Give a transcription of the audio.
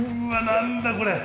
何だこれ？